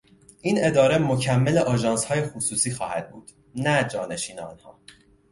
این اداره مکمل آژانسهای خصوصی خواهد بود نه جانشین آنها.